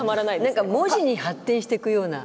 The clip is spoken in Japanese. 何か文字に発展していくような。